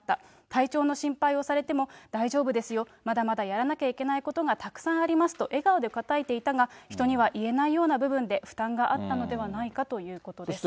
体調の心配をされても、大丈夫ですよ、まだまだやらなきゃいけないことがたくさんありますと、笑顔で応えていたが、人には言えないような部分で負担があったのではないかということです。